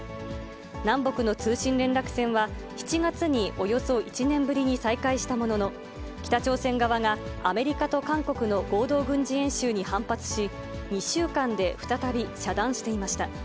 南北の通信連絡線は、７月におよそ１年ぶりに再開したものの、北朝鮮側がアメリカと韓国の合同軍事演習に反発し、２週間で再び遮断していました。